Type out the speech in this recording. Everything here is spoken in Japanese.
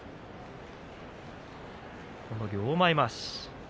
両前まわし。